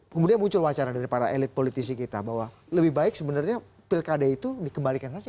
kemudian muncul wacana dari para elit politisi kita bahwa lebih baik sebenarnya pilkada itu dikembalikan saja